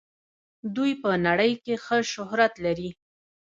دوی په نړۍ کې ښه شهرت لري.